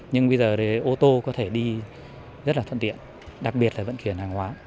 nhưng bây giờ thì ô tô có thể đi rất là thuận tiện đặc biệt là vận chuyển hàng hóa